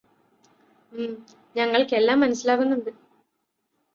ഉം. ഞങ്ങൾക്കെല്ലാം മനസ്സിലാകുന്നുണ്ട്.